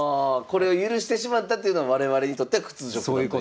これを許してしまったというのは我々にとっては屈辱だという。